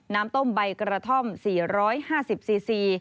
น้ำต้มใบกระท่อม๔๕๐ซีซี